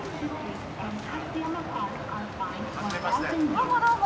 どうもどうも。